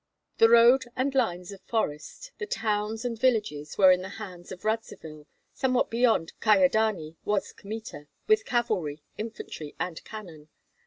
The roads and lines of forest, the towns and villages were in the hands of Radzivill; somewhat beyond Kyedani was Kmita, with cavalry, infantry, and cannon.